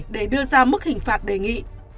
để đưa ra mức hình phạt đề nghị